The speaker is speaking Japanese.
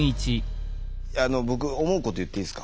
あの僕思うこと言っていいですか？